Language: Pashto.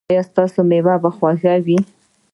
ایا ستاسو میوې به خوږې وي؟